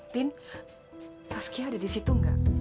tin saskia ada disitu gak